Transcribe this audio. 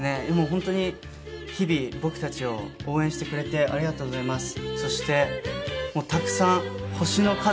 本当に日々僕たちを応援してくれてありがとうございます。